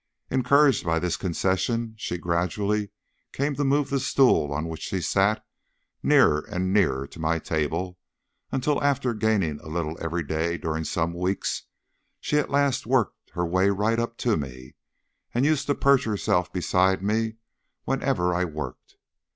Encouraged by this concession, she gradually came to move the stool on which she sat nearer and nearer to my table, until after gaining a little every day during some weeks, she at last worked her way right up to me, and used to perch herself beside me whenever I worked.